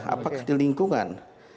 apakah di lingkungan